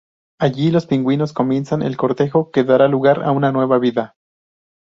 Allí, los pingüinos comienzan el cortejo que dará lugar a una nueva vida.